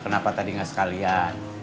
kenapa tadi gak sekalian